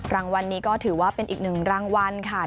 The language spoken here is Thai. รางวัลนี้ก็ถือว่าเป็นอีกหนึ่งรางวัลค่ะ